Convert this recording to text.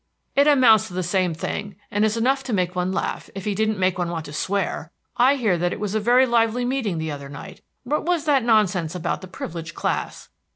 '" "It amounts to the same thing, and is enough to make one laugh, if he didn't make one want to swear. I hear that that was a very lively meeting the other night. What was that nonsense about 'the privileged class'?"